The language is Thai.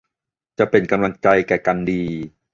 จะเป็นกำลังใจแก่กันดี